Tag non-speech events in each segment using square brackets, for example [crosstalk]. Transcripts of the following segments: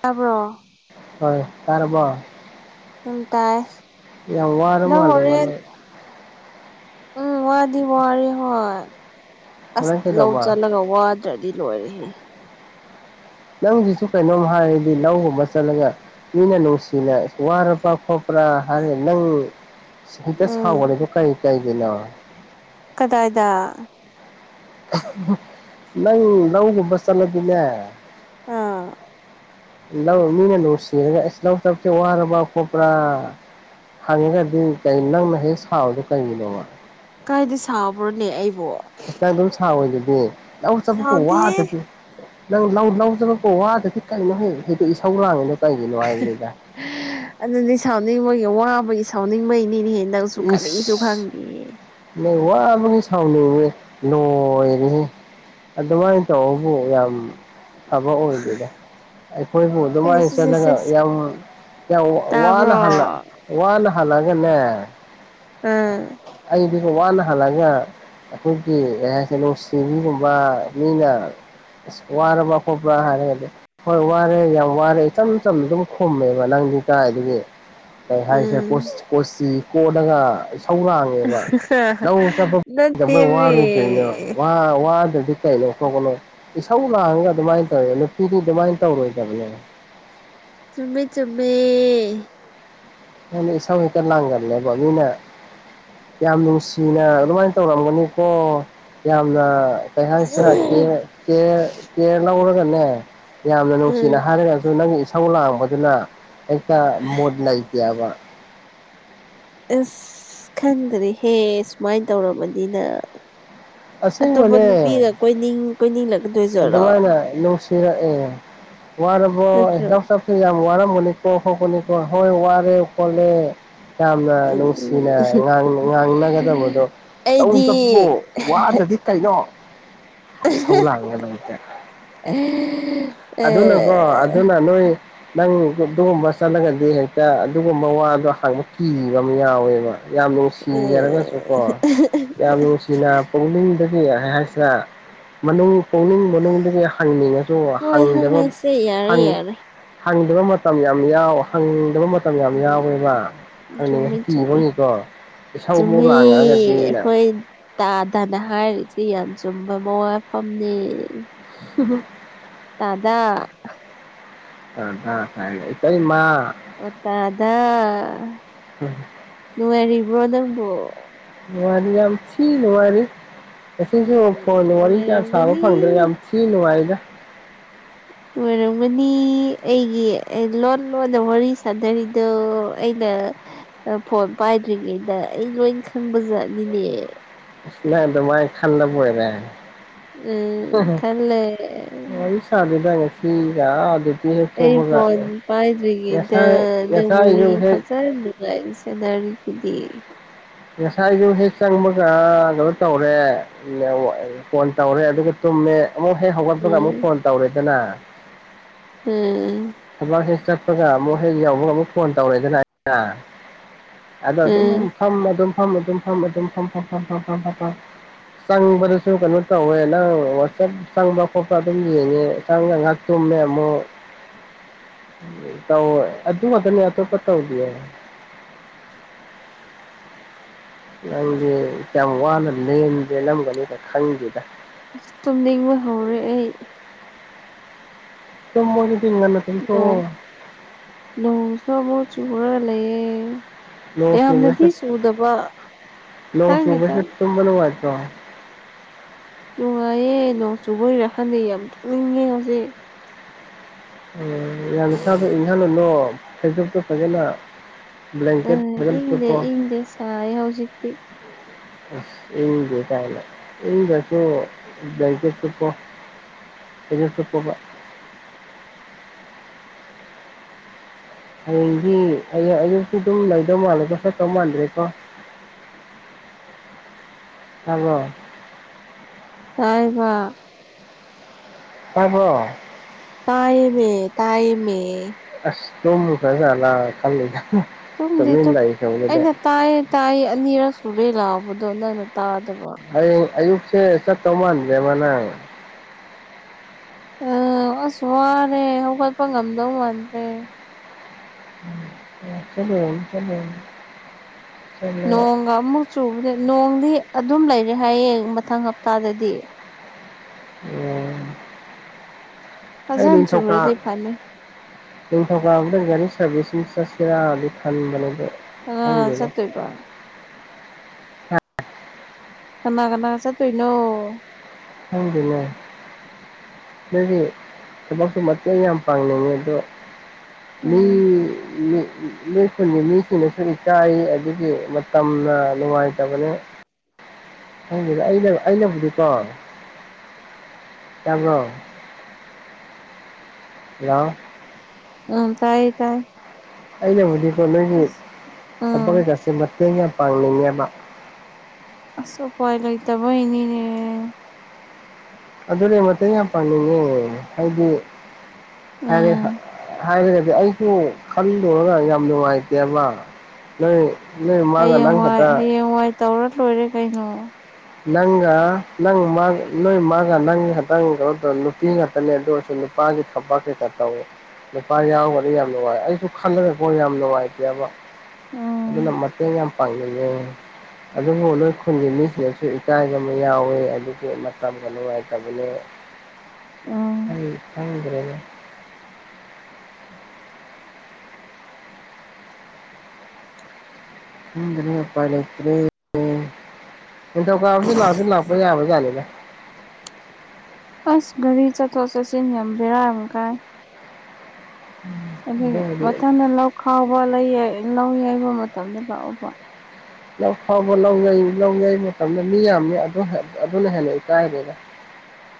ꯇꯥꯕ꯭ꯔꯣ꯫ ꯍꯣꯏ ꯇꯥꯔꯕꯣ꯫ ꯎꯅꯨꯡ ꯇꯥꯏ ꯌꯥꯝ ꯋꯥꯔ ꯅꯪ ꯃꯥꯜꯂꯦꯕ ꯍꯣꯔꯦꯟ꯫ ꯎꯝ ꯋꯥꯗꯤ ꯋꯥꯔꯦ ꯍꯣꯏ ꯑꯁ ꯍꯣꯔꯦꯟ ꯂꯧ ꯀꯩꯗꯧꯕ ꯆꯜꯂꯒ ꯋꯥꯗꯤ ꯇꯔꯗꯤ ꯂꯣꯏꯔꯦꯍꯦ꯫ ꯅꯪꯁꯤꯁꯨ ꯀꯩꯅꯣꯝ ꯍꯥꯏꯔꯗꯤ ꯂꯧꯒꯨꯝꯕ ꯆꯠꯂꯒ꯫ ꯃꯤꯅ ꯅꯨꯡꯁꯤꯅ ꯋꯥꯔꯕ꯭ꯔꯥ ꯈꯣꯠꯄ꯭ꯔꯥ ꯍꯥꯏ ꯅꯪ ꯁꯤꯗ ꯎꯝ ꯁꯥꯥꯎꯒꯂꯤꯗꯨ ꯀꯩ ꯀꯩꯒꯤꯅꯣ꯫ ꯀꯗꯥꯏꯗ꯫ ꯅꯪ ꯂꯧꯒꯨꯝꯕ ꯆꯠꯂꯗꯤꯅꯦ꯫ ꯑꯥ꯫ ꯂꯧ ꯃꯤꯅ ꯅꯨꯡꯁꯤꯔꯒ ꯑꯁ ꯂꯧ ꯆꯞꯁꯦ ꯋꯥꯔꯕ ꯈꯣꯠꯄ꯭ꯔꯥ꯫ ꯍꯪꯉꯒꯗꯤ ꯀꯩ ꯅꯪꯅ ꯍꯦꯛ ꯁꯥꯥꯎꯕꯗꯣ ꯀꯩꯒꯤꯅꯣꯕ꯫ ꯀꯥꯏꯗꯤ ꯁꯕ꯭ꯔꯣꯅꯦ ꯑꯩꯕꯨ꯫ ꯏꯁ ꯅꯪ ꯑꯗꯨꯝ ꯁꯥꯎꯋꯏꯗꯨꯗꯤ ꯂꯧ ꯆꯥꯠꯄꯕꯨ ꯁꯥꯎꯗꯦ ꯋꯥꯗꯗꯤ ꯅꯪ ꯂꯧ ꯂꯧꯆꯥꯠꯄꯕꯨ ꯋꯥꯗꯗꯤ ꯀꯩꯅꯣ ꯍꯦꯛ ꯍꯗ ꯏꯁ ꯁꯧ ꯂꯥꯡꯉꯤꯅꯣ ꯀꯩꯒꯤꯅꯣ ꯍꯥꯏꯕꯅꯤꯗ ꯑꯗꯨꯗꯤ ꯁꯥꯎꯅꯤꯡꯕꯒꯤ ꯋꯥꯕꯒꯤ ꯁꯥꯎꯅꯤꯡꯕꯩꯅꯤꯅꯦ ꯍꯦ ꯅꯪꯁꯨ ꯀꯔꯤꯁꯨ ꯈꯪꯗꯦ꯫ ꯃꯤ ꯋꯥꯕꯥꯒꯤ ꯁꯥꯎꯅꯤꯡꯕꯩ ꯂꯣꯏꯔꯦꯍꯦ꯫ ꯑꯗꯨꯃꯥꯏꯅ ꯇꯧꯕꯕꯨ ꯌꯥꯝ ꯐꯕ ꯑꯣꯏꯗꯦꯗ꯫ ꯑꯩꯈꯣꯏꯕꯨ ꯁꯦꯁ ꯑꯗꯨꯃꯥꯏꯅ ꯁꯦꯁ ꯆꯠꯂꯒ ꯁꯦꯁ ꯌꯥꯝ ꯌꯥꯝ ꯋꯥꯅ ꯇꯥꯕ꯭ꯔꯣ ꯍꯜꯂꯛ ꯋꯥꯅ ꯍꯜꯂꯛꯒꯅꯦ ꯑꯥ ꯑꯩꯗꯤ ꯋꯥꯅ ꯍꯜꯂꯒ ꯑꯩꯈꯣꯏꯒꯤ ꯀꯩꯅꯣ [unintelligible] ꯃꯤꯅ ꯋꯥꯔꯕ ꯈꯣꯠꯄꯔꯥ ꯍꯥꯏꯔꯒꯗꯤ ꯍꯣꯏ ꯋꯥꯔꯦ ꯌꯥꯝ ꯋꯥꯔꯦ ꯏꯆꯝ ꯆꯝꯅ ꯑꯗꯨꯝ ꯈꯨꯝꯃꯦꯕ ꯅꯪꯗꯤ ꯀꯥꯏꯗꯒꯤ ꯀꯩ ꯍꯥꯏꯁꯤꯔꯥ ꯎꯝ ꯀꯣꯁ ꯀꯣꯆꯤ ꯀꯣꯠꯂꯒ ꯏꯁꯧꯔꯥꯡ ꯉꯦꯕ ꯅꯪ ꯆꯠꯄꯗ ꯃꯣꯏ ꯅꯠꯇꯦꯃꯤ [unintelligible] ꯀꯩꯅꯣ ꯈꯣꯠꯄꯅꯣ ꯏꯁꯧ ꯂꯥꯡꯉꯒ ꯑꯗꯨꯝꯃꯥꯏ ꯇꯧꯋꯦ ꯅꯨꯄꯤꯗꯤ ꯑꯗꯨꯝꯃꯥꯏ ꯇꯧꯔꯣꯏꯗꯕꯅꯦꯕ ꯆꯨꯝꯃꯦ ꯆꯨꯝꯃꯦ ꯉꯣꯟꯗ ꯏꯁꯧ ꯍꯦꯛꯇ ꯂꯪꯒꯜꯂꯦꯕꯣ ꯃꯤꯅ ꯌꯥꯝ ꯅꯨꯡꯁꯤꯅ ꯑꯗꯨꯝꯃꯥꯏ ꯇꯧꯔꯝꯒꯅꯤꯀꯣ ꯌꯥꯝꯅ ꯀꯩ ꯍꯥꯏꯁꯤꯔ ꯎꯝ ꯀꯦꯔ ꯀꯦꯔ ꯀꯦꯔ ꯂꯧꯔꯒꯅꯦ ꯌꯥꯝꯅ ꯅꯨꯡꯁꯤꯅ ꯍꯥꯏꯔꯒꯁꯨ ꯅꯪꯒꯤ ꯏꯁꯧ ꯂꯥꯡꯕꯗꯨꯅ ꯍꯦꯛꯇ ꯃꯣꯠ ꯂꯩꯇꯦꯕ ꯑꯁ ꯈꯪꯗꯔꯦꯍꯦ ꯁꯨꯃꯥꯏ ꯇꯧꯔꯝꯃꯅꯤꯅ ꯑꯁꯦꯡꯕꯅꯦ ꯀꯣꯏꯅꯤꯡ ꯀꯣꯏꯅꯤꯡꯂꯛꯀꯗꯣꯏꯖꯔꯣ ꯐꯤꯔꯛ ꯑꯦ ꯋꯥꯔꯕꯣ ꯅꯠꯇ꯭ꯔꯣ [unintelligible] ꯁꯤ ꯌꯥꯝ ꯋꯥꯔꯃꯅꯤꯀꯣ ꯍꯧꯄꯅꯤꯀꯣ ꯍꯣꯏ ꯋꯥꯔꯦ ꯀꯣꯜꯂꯦ ꯌꯥꯝꯅ ꯎꯝ ꯅꯨꯡꯁꯤꯅꯥ ꯉꯥꯡ ꯉꯥꯡꯅꯒꯗꯕꯗꯣ ꯂꯧ ꯑꯩꯗꯤ ꯆꯞꯄꯣ ꯋꯥꯗ꯭ꯔꯗꯤ ꯀꯩꯅꯣ ꯏꯁꯧ ꯂꯥꯡꯉꯦ ꯅꯪꯁꯦ ꯑꯦ ꯑꯗꯨꯅꯀꯣ ꯑꯗꯨꯅ ꯅꯣꯏ ꯅꯪ ꯑꯗꯨꯒꯨꯝꯕ ꯆꯠꯂꯒꯗꯤ ꯍꯦꯛꯇ ꯑꯗꯨꯒꯨꯝꯕ ꯋꯥꯗꯣ ꯍꯥꯡꯕ ꯀꯤꯕ ꯑꯃ ꯌꯥꯎꯋꯦꯕ ꯌꯥꯝ ꯅꯨꯡꯁꯤꯔꯒꯁꯨꯀꯣ ꯌꯥꯝ ꯅꯨꯡꯁꯤꯅ ꯄꯨꯛꯅꯤꯡꯗꯒꯤ ꯍꯥꯏꯁꯤꯔ ꯃꯅꯨꯡ ꯄꯨꯛꯅꯤꯡ ꯃꯅꯨꯡꯗꯒꯤ ꯍꯪꯅꯤꯡꯉꯁꯨ ꯍꯣꯏ ꯍꯣꯏ ꯍꯪꯗꯕ ꯍꯣꯏ ꯁꯦ ꯌꯥꯔꯦ ꯍꯪ ꯌꯥꯔꯦ ꯍꯪꯗꯕꯃꯇꯝ ꯌꯥꯝ ꯌꯥꯎ ꯍꯪꯗꯕ ꯃ ꯇꯝ ꯌꯥꯝ ꯎꯝ ꯌꯥꯎꯋꯦꯕ ꯍꯪꯅꯤꯡꯉꯁꯨ ꯀꯤꯕꯒꯤꯀꫭ ꯆꯨꯝꯃꯤ ꯑꯈꯣꯏ ꯇꯥꯗꯅ ꯍꯥꯏꯔꯤꯁꯤ ꯌꯥꯝ ꯆꯨꯝꯕ ꯃꯋꯥꯥ ꯃꯐꯝꯅꯤ [unintelligible] ꯇꯥꯗꯥ ꯇꯥꯗꯥ ꯀꯥꯏꯅ ꯏꯇꯩꯃꯥ ꯑꯣ ꯇꯗꯥ [unintelligible] ꯅꯨꯡꯉꯥꯏꯔꯤꯕ꯭ꯔꯣ ꯅꯪꯕꫭ ꯅꯨꯡꯉꯥꯏꯔꯤ ꯌꯥꯝ ꯊꯤ ꯅꯨꯡꯉꯥꯏꯔꯤ ꯉꯁꯤꯁꯨ ꯎꯝ ꯐꯣꯟꯗ ꯋꯥꯔꯤ ꯀꯌꯥ ꯁꯥꯕ ꯅꯨꯡꯉꯥꯏꯔꯝꯒꯅꯤ ꯐꯪꯗ꯭ꯔꯦ ꯌꯥꯝ ꯊꯤ ꯅꯨꯡꯉꯥꯏꯔꯤꯗ ꯅꯨꯡꯉꯥꯏꯔꯝꯒꯅꯤ ꯑꯩꯒꯤ ꯂꯣꯟ ꯂꯣꯟꯗ ꯋꯥꯔꯤ ꯁꯥꯅꯔꯤ ꯇꯣ ꯑꯩꯅ ꯑ ꯐꯣꯟ ꯄꯥꯏꯗ꯭ꯔꯤꯉꯩꯗ ꯑꯩ ꯂꯣꯏ ꯈꯪꯕꯖꯥꯠꯅꯤꯅꯦ ꯅꯪ ꯑꯗꯨꯝꯃꯥꯥꯏ ꯈꯜꯂ ꯕꯣꯏꯔꯦ ꯎꯝ ꯈꯜꯂꯦ ꯐꫭꯟ ꯋꯥꯔꯤ ꯁꯥꯗꯦꯗ ꯉꯁꯤꯒ ꯑꯥ ꯍꯦꯛ ꯑꯩ ꯊꯣꯛꯄꯒ ꯐꯣꯟ ꯄꯥꯏꯗ꯭ꯔꯤ ꯉꯩꯗ ꯉꯁꯥꯏ ꯅꯪ ꯉꯁꯥꯏꯁꯨ ꯋꯥꯔꯤ ꯍꯦꯛ ꯐꯖꯅ ꯅꯨꯉꯥꯏꯅꯤ ꯁꯟꯅꯔꯤꯗꯨꯗꯤ ꯉꯁꯥꯏꯁꯨ ꯍꯦꯛ ꯆꯪꯕꯒ ꯑ ꯀꯩꯅꯣ ꯇꯧꯔꯦ ꯐꯣꯟ ꯇꯧꯔꯦ ꯑꯗꯨꯒ ꯇꯨꯝꯃꯦ ꯑꯃꯨꯛ ꯍꯦꯛ ꯍꯧꯒꯠꯄꯒ ꯑꯃꯨꯛ ꯎꯝ ꯐꯣꯟ ꯇꯧꯔꯦꯗꯅ ꯎꯝ ꯊꯕꯥꯛꯁ‌ꯦ ꯆꯠꯄꯒ ꯑꯃꯨꯛ ꯍꯦꯛ ꯌꯧꯕꯒ ꯑꯃꯨꯛ ꯐꯣꯟ ꯇꯧꯔꯦꯗꯅ ꯑꯩꯅ ꯑꯗꯣ ꯑꯗꯨꯝ ꯎꯝ ꯐꯝꯃ ꯑꯗꯨꯝ ꯐꯝ ꯑꯗꯨꯝ ꯐꯝ‌ ꯑꯗꯨꯝ ꯐꯝ ꯐꯝ ꯐꯝ ꯐꯝ ꯐꯝ ꯐꯝ ꯐꯝ ꯆꯪꯕꯗꯁꯨ ꯀꯩꯅꯣ ꯇꯧꯋꯦ ꯅꯪ ꯋꯥꯆꯞ ꯆꯪꯕ ꯈꯣꯠꯄ ꯑꯗꯨꯝ ꯌꯦꯡꯉꯦ ꯆꯪꯉ ꯉꯛ ꯇꯨꯝꯃ‌ꯦ ꯑꯃꯨꯛ ꯇꯧ ꯑꯗꯨ ꯉꯥꯛꯇꯅ‌ꯦ ꯑꯇꯣꯞꯄ ꯇꯧꯗ‌ꯤꯌ‌ꯦ ꯅꯪꯖꯦ ꯌꯥꯝ ꯋꯥꯅ ꯂ‌ꯦꯟ ꯂ‌ꯦꯟꯂꯝꯒꯅꯤꯗ ꯈꯪꯗꯦꯗ ꯑꯁ ꯇꯨꯝꯅꯤꯡꯕ ꯍꯧꯔꯦ ꯑꯩ ꯇꯨꯝꯃꯣ ꯗꯨꯗꯤ ꯉꯟꯅ ꯅꯣ ꯇꯨꯝꯊꯣꯛꯑꯣ ꯅꯣꯡꯁꯨ ꯑꯃꯨꯛ ꯆꯨꯔꯒ ꯂꯩꯌꯦ ꯅꯣꯡ ꯌꯥꯝꯅꯗꯤ ꯆꯨꯕꯁꯤꯗ ꯆꯨꯗꯕ ꯅꯣꯡ ꯈꯤꯇꯪ ꯈꯤꯇꯪ ꯆꯨꯕꯁꯤꯗ ꯇꯨꯝꯕ ꯅꯨꯡꯉꯥꯏꯇꯔꯣ ꯅꯨꯡꯉꯥꯏꯌꯦ ꯅꯣꯡ ꯆꯨꯕꯩꯔꯥ ꯈꯟꯗꯦ ꯌꯥꯝ ꯇꯨꯝꯅꯤꯡꯉꯦ ꯍꯧꯖꯤꯛ ꯑꯝ ꯌꯥꯝ ꯅꯁꯥꯗꫭ ꯏꯟꯍꯜꯂꯨꯅꫭ ꯐꯩꯖꯨꯞꯇꫭ ꯐꯖꯅ ꯕꯂ꯭ꯥꯡꯛꯀꯦꯠ ꯐꯖꯅ ꯁꯨꯞꯄꫭ ꯁꯥꯏꯌ‌ꯦ ꯍꯧꯖꯤꯛꯇꯤ ꯑꯁ ꯏꯪꯗ‌ꯦ ꯀꯥꯅ ꯢꯪꯗꯔ꯭ꯁꯨ ꯕꯂ꯭ꯥꯡꯀ‌ꯦꯠ ꯁꯨꯞꯄꯣ ꯐꯩꯖꯨꯞ ꯁꯨꯞꯄꫭꯕ ꯍꯌ‌ꯦꯡꯗꯤ ꯑꯩ ꯑꯌꯨꯛꯇꯤ ꯑꯗꯨꯝ ꯂꯩꯗꯧ ꯃꯥꯜꯂꯦꯀꯣ ꯆꯠꯇꯧ ꯃꯥꯟꯗ꯭ꯔꯦꯀꯣ ꯇꯥꯕꯔꯣ ꯇꯥꯏꯌꯦꯕ ꯇꯥꯕꯔꯣ ꯇꯥꯏꯌ‌ꯦꯃꯤ ꯇꯥꯏꯌꯦꯃꯤ ꯑꯁ ꯇꯨꯝꯈꯔ꯭ꯖꯥꯠꯂ ꯈꯜꯂꯤꯗ ꯇꯨꯝꯗꯤ ꯇꯨꯃꯤꯟ ꯇꯨꯝ ꯂꯩꯈ꯭ꯔꯕꯗꯨꯗ ꯑꯩꯅ ꯇꯥꯏꯌꯦ ꯇꯥꯏꯌꯦ ꯑꯅꯤꯔꯛ ꯁꯨꯔꯦ ꯂꯥꯎꯕꯗꯣ ꯅꯪꯅ ꯇꯥꯗꯕ ꯍꯌꯦꯡ ꯑꯌꯨꯛꯁꯦ ꯆꯠꯇꯧ ꯃꯥꯟꯗꯔ꯭ꯦꯕ ꯅꯪ ꯑꯣ ꯑꯁ ꯋꯥꯔꯦ ꯍꯧꯒꯠꯄ ꯉꯝꯗꯧ ꯃꯥꯟꯗ꯭ꯔꯦ ꯎꯝ ꯎꯝ ꯆꯠꯂꯨꯔꯅꯨ ꯆꯠꯂꯨꯔꯅꯨ ꯅꯣꯡꯒ ꯑꯃꯨꯛ ꯆꯨꯕꯅꯦ ꯅꯣꯡꯗꯤ ꯑꯗꯨꯝ ꯂꯩꯔꯦ ꯍꯥꯏꯌꯦ ꯃꯊꯪ ꯍꯞꯇꯥꯗꯗꯤ ꯎꯝ ꯑꯩ ꯐꯖꯅ ꯅꯤꯡꯊꯧꯀꯥ ꯆꯨꯔꯗꯤ ꯐꯅꯤ ꯅꯤꯡꯊꯧꯀꯥꯕꯗ ꯒꯔꯤ ꯁꯔꯚꯤꯁꯒꯤ ꯆꯠꯁꯦꯔꯥꯗꯤ ꯈꯟꯕꯅꯦ ꯑꯗꯣ ꯀꯅꯥꯅꯥ ꯈꯪꯗꯦꯗ ꯆꯠꯇꯣꯏꯕ ꯀꯅꯥ ꯀꯅꯥ ꯆꯠꯇꯣꯏꯅꯣ ꯈꯪꯗꯦꯅꯦ ꯅꯣꯏꯒꯤ ꯊꯕꯛꯁꯨꯨ ꯃꯇꯦꯡ ꯌꯥꯝ ꯄꯥꯡꯅꯤꯡꯉꯤ ꯑꯗꯣ ꯃꯤ ꯎꯝ ꯅꯣꯏ ꯈꯨꯟꯒꯤ ꯃꯤꯁꯤꯡꯅꯁꯨ ꯏꯀꯥꯏꯌꯦ ꯑꯗꯨꯒꯤ ꯃꯇꯝꯅ ꯅꯨꯡꯉꯥꯏꯇꯕꯅꯦ ꯈꯡꯗꯦꯗ ꯑꯩꯅ ꯑꯩꯅꯕꯨꯗꯤꯀꯣ ꯇꯥꯕꯔꯣ ꯂꯣ ꯎꯝ ꯇꯥꯏꯌꯦ ꯇꯥꯏ ꯑꯩꯅꯕꯨꯗꯤꯀꯣ ꯅꯣꯏꯒꯤ ꯑꯁ ꯊꯕꯛ ꯑꯁ ꯀꯩꯀꯥꯁꯦ ꯃꯇꯦꯡ ꯌꯥꯝ ꯄꯥꯡꯅꯤꯡꯉꯦꯕ ꯑꯁ ꯎꯄꯥꯏ ꯂꯩꯇꯕꯩꯅꯤꯅꯦ ꯑꯗꯨꯅꯦ ꯃꯇꯦꯡ ꯌꯥꯝ ꯄꯥꯅꯤꯡꯉꯦ ꯍꯥꯏꯗꯤ ꯍꯥꯏꯔꯦ ꯎꯝ ꯍꯥꯏꯔꯒꯗꯤ ꯑꯩꯁꯨ ꯈꯟꯂꯨꯔꯒ ꯌꯥꯝ ꯅꯨꯡꯉꯥꯏꯇꯦꯕ ꯅꯣꯏ ꯅꯣꯏ ꯃꯥꯒ ꯅꯪ ꯍꯌꯦꯡꯋꯥꯏ ꯈꯠꯇ ꯍꯌꯦꯡꯋꯥꯏ ꯇꯧꯔ ꯂꯣꯏꯔꯦ ꯀꯩꯅꯣ ꯅꯪꯒ ꯅꯪ ꯅꯣꯏ ꯃꯥꯒ ꯅꯪꯒ ꯈꯇꯪ ꯀꯩꯅꯣ ꯇꯧ ꯅꯨꯄꯤ ꯉꯥꯛꯇꯅꯦ ꯑꯗꯨ ꯑꯣꯏꯔꯁꯨ [unintelligible] ꯇꯧꯋꯦ ꯅꯨꯄꯥ ꯌꯥꯎꯔꯒꯗꯤ ꯌꯥꯝ ꯅꯨꯡꯉꯥꯏ ꯑꯩꯁꯨ ꯈꯜꯂꯒꯀꯣ ꯌꯥꯝ ꯅꯨꯡꯉꯥꯏꯇꯦꯕ ꯑꯗꯨꯅ ꯎꯝ ꯃꯇꯦꯡ ꯌꯥꯝ ꯄꯥꯡꯅꯤꯡꯉꯦ ꯑꯗꯨꯕꯨ ꯅꯣꯏ ꯈꯨꯜꯒꯤ ꯃꯤꯁꯤꯡꯅꯁꯨ ꯏꯀꯥꯏꯕ ꯑꯃ ꯌꯥꯎꯋꯦ ꯑꯗꯨꯒꯤ ꯃꯇꯝꯒ ꯅꯨꯡꯉꯥꯏꯇꯕꯅꯦ ꯎꯝ ꯑꯩ ꯈꯪꯗ꯭ꯔꯦꯗ [inaudible] ꯈꯪꯗ꯭ꯔꯦ ꯎꯄꯥꯏ ꯂꯩꯇ꯭ꯔꯦ ꯑꯗꯣ ꯅꯤꯡꯊꯧ ꯀꯥꯕꯁꯨ ꯂꯥꯛꯇꯤ ꯂꯥꯛꯄ ꯌꯥꯕ ꯖꯥꯠꯅꯤꯗ ꯑꯁ ꯒꯥꯔꯤ ꯆꯠꯊꯣꯛ ꯆꯠꯁꯤꯟ ꯌꯥꯝ ꯕꯦꯔꯥ ꯑꯃ ꯀꯥꯏ ꯑꯗꯨꯒꯤ ꯑꯗꯨꯕꯨꯗꯤ ꯃꯊꯪꯗ ꯂꯧ ꯈꯥꯎꯕ ꯂꯧ ꯌꯩꯕ ꯃꯇꯝꯗ ꯂꯥꯛꯑꯣꯕ ꯂꯧ ꯈꯥꯎꯕ ꯂꯧ ꯌꯩ ꯂꯧ ꯌꯩꯕꯥ ꯃꯇꯝꯗ ꯃꯤ ꯌꯥꯝꯃꯤ ꯑꯗꯨꯅ ꯍꯦꯟꯅ ꯏꯀꯥꯏꯒ꯭ꯔꯦꯗ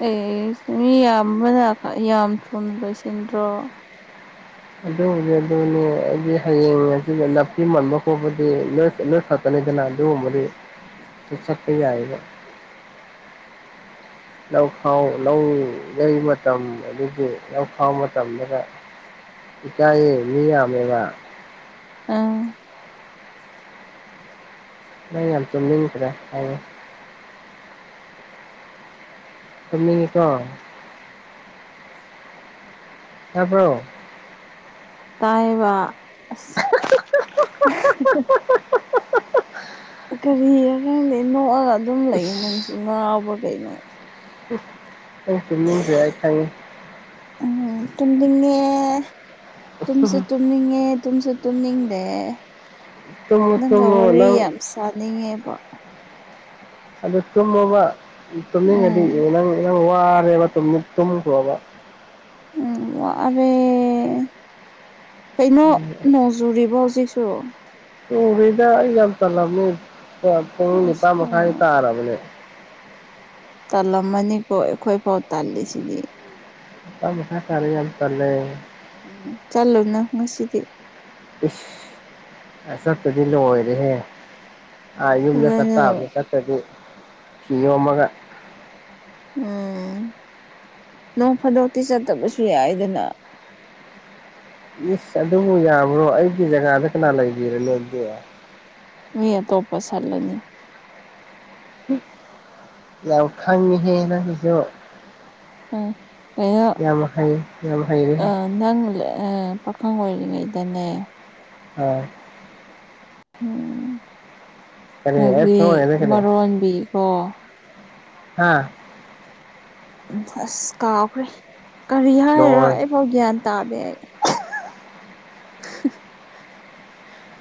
ꯑꯦꯁ ꯃꯤ ꯌꯥꯝꯕꯅ ꯌꯥꯝ ꯊꯨꯅ ꯂꯣꯏꯁꯤꯟꯗ꯭ꯔꯣ ꯑꯗꯨꯕꯨꯗꯤ ꯑꯗꯨꯅꯦ ꯑꯩꯗꯤ ꯍꯌꯦꯡ ꯅꯥꯄꯤ ꯃꯟꯕ ꯈꯣꯠꯄꯗꯤ ꯅꯣꯏ ꯅꯣꯏꯈꯛ ꯇꯅꯤꯗꯅ ꯑꯗꯨꯒꯨꯝꯕꯗꯤ ꯆꯠꯄ ꯌꯥꯏꯕ ꯂꯧꯈꯥꯎ ꯂꯧ ꯌꯩ ꯃꯇꯝ ꯑꯗꯨꯗꯒꯤ ꯂꯧꯈꯥꯎ ꯃꯇꯝꯗꯒ ꯏꯀꯥꯏꯌꯦ ꯃꯤ ꯌꯥꯝꯃꯦꯕ ꯎꯡ ꯅꯪ ꯌꯥꯝ ꯇꯨꯝꯅꯤꯡꯇ꯭ꯔꯦ ꯍꯥꯏꯔꯣ ꯇꯨꯝꯅꯤꯡꯉꯤ ꯀꯣ ꯇꯥꯕ꯭ꯔꯣ ꯇꯥꯏꯌꯦꯕ ꯑꯁ [unintelligible] ꯀꯔꯤꯅꯣ ꯈꯪꯗꯦ ꯅꯣꯛꯑꯒ ꯑꯗꯨꯝ ꯂꯩꯌꯦ ꯅꯪꯁꯨ ꯏꯁ ꯉꯥꯎꯕ꯭ꯔꯥ ꯀꯩꯅꯣ ꯅꯪ ꯇꯨꯝꯅꯤꯡꯇ꯭ꯔꯦ ꯑꯩ ꯈꯪꯏ ꯎꯝ ꯇꯨꯝꯅꯤꯡꯉꯦ ꯇꯨꯝꯁꯨ ꯇꯨꯝ ꯇꯨꯝꯅꯤꯡꯉꯦ ꯇꯨꯝꯁꯨ ꯇꯨꯝꯅꯤꯡꯗꯦ ꯇꯨꯝꯃꯣ ꯅꯪꯒ ꯇꯨꯝꯃꯣ ꯋꯥꯔꯤ ꯅꯪ ꯌꯥꯝ ꯁꯥꯅꯤꯡꯉꯦꯕ ꯑꯗꯨ ꯇꯨꯝꯃꯣꯕ ꯇꯨꯝꯅꯤꯡꯉꯗꯤ ꯎꯝ ꯅꯪ ꯅꯪ ꯋꯥꯔꯦꯕ ꯇꯨꯝꯈ꯭ꯔꯣꯕ ꯎꯝ ꯋꯥꯔꯦ ꯀꯩꯅꯣ ꯎꯝ ꯅꯣꯡ ꯆꯨꯔꯤꯕꯣ ꯍꯧꯖꯤꯛꯁꯨ ꯆꯨꯔꯤꯗ ꯑꯩ ꯌꯥꯝ ꯇꯜꯂꯕꯅꯤ ꯄꯨꯡ ꯑꯁ ꯅꯤꯄꯥꯥꯟ ꯃꯈꯥꯏ ꯑꯣ ꯇꯥꯔꯕꯅꯦ ꯇꯜꯂꯝꯃꯅꯤꯀꯣ ꯑꯩꯈꯣꯏꯐꯥꯎ ꯇꯥꯜꯂꯤꯁꯤꯗꯤ ꯅꯤꯄꯟ ꯃꯈꯥꯏ ꯇꯥꯔꯦ ꯌꯥꯝ ꯇꯜꯂꯦ ꯎꯝ ꯆꯠꯂꯨꯅꯨ ꯉꯁꯤꯗꯤ ꯏꯁ ꯆꯠꯇ꯭ꯔꯗꯤ ꯂꯣꯏꯔꯦꯍꯦ ꯑꯥ ꯌꯨꯝꯗ ꯐꯖꯅ ꯆꯠꯇꯥꯕ ꯐꯤ ꯌꯣꯝꯃꯒ ꯎꯝ ꯅꯣꯡ ꯐꯥꯗꯣꯛꯇꯤ ꯆꯠꯇꯕꯁꯨ ꯌꯥꯏꯗꯅ ꯏꯁ ꯑꯗꯨꯕꯨ ꯌꯥꯕ꯭ꯔꯣ ꯑꯩꯒꯤ ꯖꯒꯥꯗ ꯀꯅꯥ ꯂꯩꯕꯤꯔꯅꯤ ꯑꯗꯨꯗꯤ ꯃꯤ ꯑꯇꯣꯞꯄ ꯁꯠꯂꯅꯤ ꯏꯁ ꯌꯥꯝ ꯈꯡꯉꯤꯍꯦ ꯅꯪꯖꯨ ꯈꯪꯉꯦ ꯀꯩꯅꯣ ꯌꯥꯝ ꯍꯩ ꯌꯥꯝ ꯍꯩꯔꯦꯍꯦ ꯑꯥ ꯅꯪ ꯄꯥꯈꯪ ꯑꯣꯏꯔꯤꯉꯩꯗꯅꯦ ꯍꯣꯏ ꯎꯝ ꯀꯔꯤ ꯑꯩ ꯄꯥꯈꯪ ꯑꯣꯏꯔꯤꯉꯩꯗ [unintelligible] ꯀꯔꯤ ꯃꯔꯣꯟꯕꯤꯔꯣ ꯍꯥ ꯎꯝ ꯑꯁ ꯀꯥꯎꯈ꯭ꯔꯦ ꯀꯔꯤ ꯍꯥꯏꯔꯤꯔꯥ ꯂꯣꯏ ꯑꯩꯐꯥꯎ ꯒ꯭ꯌꯥꯟ ꯇꯥꯗꯦ ꯑꯩ ꯎ [unintelligible]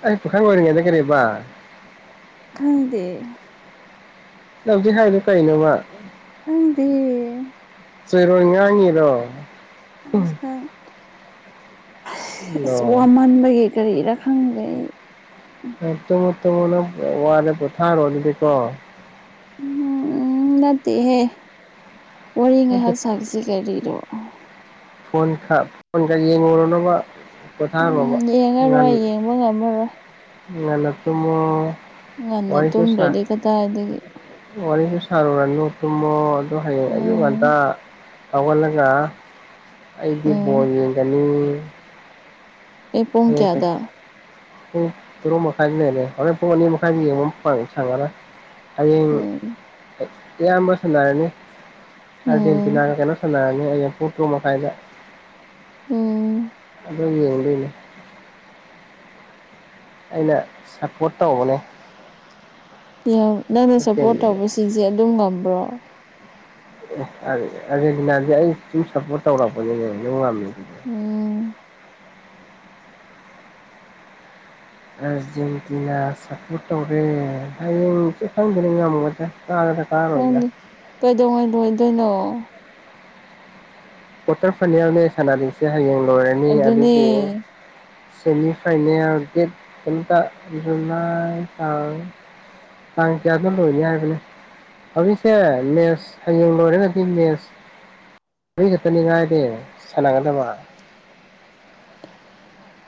ꯑꯩ ꯄꯈꯪ ꯑꯣꯏꯔꯤꯉꯩꯗ ꯀꯔꯥꯕꯥ ꯈꯪꯗꯦ ꯂꯧꯗꯤ ꯍꯥꯏꯗꯣ ꯀꯩꯅꯣꯕ [unintelligible] ꯆꯣꯏꯔꯣꯟ ꯉꯥꯡꯉꯤꯔꯣ [unintelligible] ꯑꯁ ꯂꯣꯏ ꯋꯥꯃꯟꯕꯒꯤ ꯀꯔꯤꯔ ꯈꯪꯗ꯭ꯔꯦ ꯇꯨꯝꯃꯣ ꯇꯨꯝꯃꯣ ꯅꯪ ꯋꯥꯔ ꯄꯣꯊꯥꯔꯣꯀꯣ ꯎꯝ ꯅꯠꯇꯦꯍꯦ ꯋꯥꯔꯤ ꯅꯠꯇꯦ ꯉꯥꯏꯍꯥꯛ ꯁꯥꯈꯤꯁꯤ ꯀꯔꯤꯔꯣ ꯐꯣꯟ ꯈ ꯐꯣꯟꯒ ꯌꯦꯡꯉꯨꯔꯣꯅꯕ ꯄꯣꯊꯥꯔꯣꯕ ꯎꯝ ꯉꯟ ꯌꯦꯡꯉꯔꯣꯏ ꯌꯦꯡꯕ ꯉꯝꯃꯔꯣꯏ ꯉꯟꯅ ꯇꯨꯃꯨ ꯉꯟꯅ ꯇꯨꯝꯗ꯭ꯔꯗꯤ ꯀꯗꯥꯏꯗꯒꯤ ꯋꯥꯔꯤꯁꯨ ꯁꯥꯔꯨꯔꯅꯨ ꯇꯨꯝꯃꯣ ꯑꯗꯨ ꯍꯌꯦꯡ ꯑꯌꯨꯛ ꯉꯥꯟꯇ ꯎꯝ ꯍꯧꯒꯠꯂꯒ ꯑꯩꯗꯤ ꯎꯝ ꯕꯣꯜ ꯌꯦꯡꯒꯅꯤ ꯑꯦ ꯄꯨꯡ ꯍꯝ ꯍ [unintelligible] ꯀꯌꯥꯗ ꯄꯨꯡ ꯇꯔꯨꯛ ꯃꯈꯥꯏꯗꯨ [unintelligible] ꯍꯣꯔꯦꯟ ꯄꯨꯡ ꯑꯅꯤ ꯃꯈꯥꯏꯗ ꯌꯦꯡꯕ ꯑꯃ ꯐꯪꯉꯦ [unintelligible] ꯍꯌꯦꯡ ꯎꯝ ꯏꯌꯥꯝꯕ ꯁꯥꯟꯅꯔꯅꯤ ꯎꯝ ꯑꯥꯔꯖꯦꯟꯇꯤꯅꯥꯒ ꯀꯩꯅꯣ ꯁꯅꯔꯅꯤ ꯑꯩꯅ ꯄꯨꯡ ꯈꯔꯨꯛ ꯃꯈꯥꯏꯗ ꯎꯝ ꯑꯗꯨ ꯌꯦꯡꯗꯨꯏꯅꯦ ꯑꯩꯅ ꯁꯞꯄꯣꯔꯠ ꯇꯧꯕꯅꯦ ꯌꯥꯝ ꯅꯪꯅ ꯁꯞꯄꯣꯔꯠ ꯑꯁꯦꯡꯕꯅꯦ ꯇꯧꯕꯁꯤꯡꯁꯦ ꯑꯗꯨꯝ ꯉꯝꯕ꯭ꯔꯣ ꯑꯥꯔꯖꯦꯟꯇꯤꯅꯥꯁꯦ ꯑꯩ ꯁꯨꯝ ꯁꯞꯄꯣꯔꯠ ꯇꯧꯔꯛꯄꯁꯦ ꯑꯗꯨꯝ ꯉꯝꯃꯦ ꯎꯝ ꯑꯖꯦꯟꯇꯤꯅꯥ ꯁꯄꯣꯔꯠ ꯇꯧꯔꯦ ꯍꯌꯦꯡ [unintelligible] ꯈꯪꯗꯦꯅ ꯉꯃꯒꯗꯔ ꯀꯥꯔ [unintelligible] ꯀꯩꯗꯧꯉꯩ ꯂꯣꯏꯗꯣꯏꯅꯣ ꯀꯋꯥꯇꯔ ꯐꯅꯦꯜꯅꯦ ꯁꯅꯥꯔꯤꯁꯦ ꯍꯌꯦꯡ ꯂꯣꯏꯔꯅꯤ ꯑꯗꯨꯅꯦ ꯑꯗꯨꯒꯤ ꯁꯤꯅꯤ ꯐꯥꯏꯅꯦꯜ ꯗꯦꯠ [unintelligible] ꯇꯥꯡ ꯀꯌꯥꯗ ꯂꯣꯏꯅꯤ ꯍꯥꯏꯕꯅꯤ [unintelligible] ꯃꯦꯁ ꯍꯌꯦꯡ ꯂꯣꯏꯔꯦꯒꯗꯤ ꯃꯦꯁ ꯃꯔꯤ ꯈꯇꯔꯅꯤ ꯉꯥꯏꯔꯦ ꯁꯅꯒꯗꯕ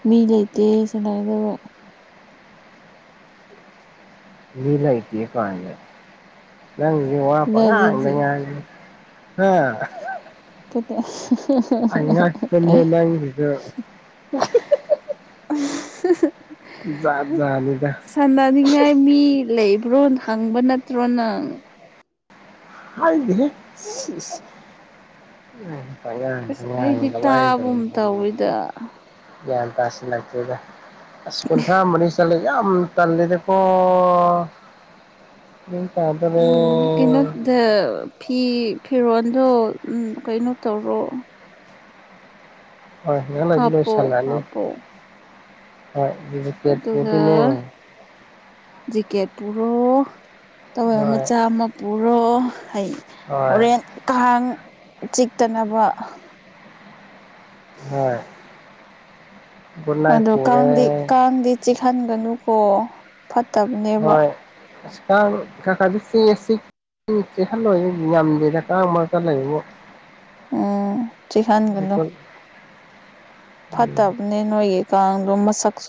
ꯃꯤ ꯂꯩꯇꯦ ꯁꯟꯅꯒꯗꯕ ꯃꯤ ꯂꯩꯇꯦ ꯀꯥꯏꯅ ꯅꯪꯁꯦ ꯋꯥ ꯄꯉꯥꯡꯗ ꯀꯗꯥꯏꯗꯒꯤ ꯉꯥꯡꯉꯦ ꯍꯥ [unintelligible] ꯅꯪꯒꯤꯁꯨ [unintelligible] [unintelligible] ꯖꯥꯠ ꯖꯥꯠ ꯅꯤꯗ ꯁꯥꯟꯅꯅꯤꯡꯉꯥꯏ ꯃꯤ ꯂꯩꯕ꯭ꯔꯣ ꯍꯪꯕ ꯅꯠꯇ꯭ꯔꯣ ꯅꯪ ꯍꯥꯏꯗꯤꯍꯦ ꯑꯁ ꯑꯩꯗꯤ [inaudible] ꯇꯥꯕꯒꯨꯝ ꯇꯧꯋꯤꯗ ꯒꯌꯥꯟ ꯇꯁꯤꯅ ꯂꯥꯛꯇꯔꯦꯗ ꯑ ꯀꯨꯟꯊ꯭ꯔꯥ ꯃꯔꯤ ꯆꯠꯂꯦ ꯌꯥꯝ ꯇꯜꯂꯤꯗꯀꯣ [unintelligible] ꯑ ꯐꯤ ꯐꯤꯔꯣꯟꯗꯣ ꯀꯩꯅꯣ ꯇꯧꯔꯣ ꯍꯣꯏ ꯉꯥꯢꯍꯥꯛ ꯂꯩꯔꯗꯤ ꯍꯥꯞꯄꯣ ꯂꯣꯏꯁꯤꯜꯂꯛꯑꯅꯤ ꯍꯥꯞꯄꯣ ꯍꯣꯏ ꯑꯗꯨꯒ [unintelligible] ꯖꯤꯀꯦꯠ ꯄꯨꯔꯣ ꯇꯧꯋꯦꯜ ꯍꯣꯏ ꯃꯆꯥ ꯑꯃ ꯄꯨꯔꯣ ꯑꯩ ꯍꯣꯏ ꯍꯣꯔꯦꯟ ꯀꯥꯡ ꯆꯤꯛꯇꯅꯕ ꯍꯣꯏ ꯒꯨꯗ ꯅꯥꯏꯠ ꯑꯗꯣ ꯀꯥꯡꯗꯤ ꯄꯨꯔꯦ ꯀꯥꯡꯗꯤ ꯆꯤꯛꯍꯟꯒꯅꯨꯀꯣ ꯐꯠꯇꯕꯅꯦ ꯍꯣꯏ ꯑꯁ ꯀꯥꯟ ꯈꯥ ꯈ ꯆꯤꯛ ꯑꯦ ꯆꯤꯛ ꯎꯝ ꯆꯤꯛꯈꯜꯂꯣꯏꯒꯦ ꯉꯝꯗꯦꯗ ꯀꯥꯡ ꯃꯔꯛꯇ ꯂꯩꯕꯅꯤꯅꯥ ꯎꯝ ꯆꯤꯛꯍꯟꯒꯅꯣ ꯑꯩꯈꯣꯏ ꯎꯝ ꯐꯠꯇꯕꯅꯦ ꯅꯣꯏꯒꯤ ꯀꯥꯡꯗꯣ ꯃꯁꯛꯁꯨ